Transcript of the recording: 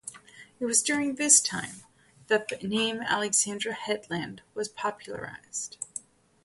It was during this time that the name Alexandra Headland was popularised.